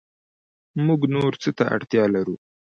موږ نور څه ته اړتیا لرو